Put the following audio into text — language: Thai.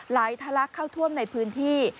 ไหลทะลักเข้าท่วมในพื้นที่